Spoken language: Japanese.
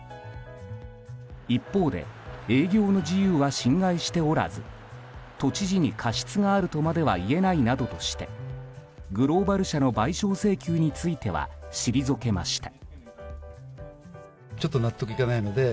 一方で営業の自由は侵害しておらず都知事に過失があるとまでは言えないなどとしてグローバル社の賠償請求については退けました。